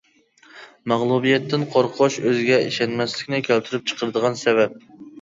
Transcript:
مەغلۇبىيەتتىن قورقۇش ئۆزىگە ئىشەنمەسلىكنى كەلتۈرۈپ چىقىرىدىغان سەۋەب.